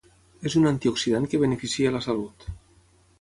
És un antioxidant que beneficia la salut.